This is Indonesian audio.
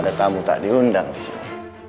ada tamu tak diundang disini